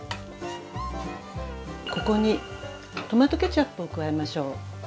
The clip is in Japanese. ここにトマトケチャップを加えましょう。